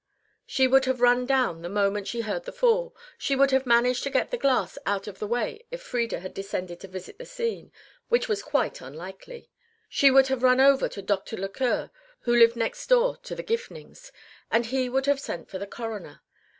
She would have run down the moment she heard the fall, she would have managed to get the glass out of the way if Frieda had condescended to visit the scene, which was quite unlikely. She would have run over to Doctor Lequer, who lived next door to the Gifnings, and he would have sent for the coroner.